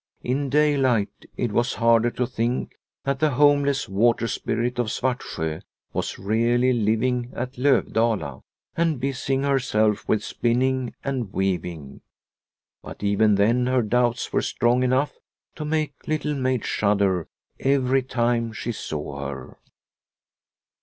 In day light it was harder to think that the homeless "water spirit" of Svartsjo was really living at Lovdala, and busying herself with spinning and weaving. But even then her doubts were strong enough to make Little Maid shudder every time she saw her.